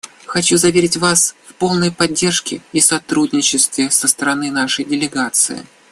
Хочу заверить Вас в полной поддержке и сотрудничестве со стороны нашей делегации.